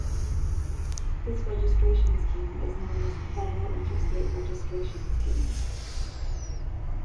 This registration scheme is known as the Federal Interstate Registration Scheme.